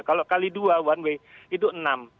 kalau kali dua one way itu enam